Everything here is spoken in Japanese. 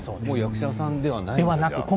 役者さんではないんですね。